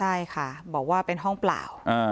ใช่ค่ะบอกว่าเป็นห้องเปล่า